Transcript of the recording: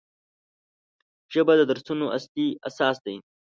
ژبه د درسونو اصلي اساس دی